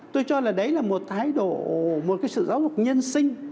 tôi cho là đấy là một thái độ một cái sự giáo dục nhân sinh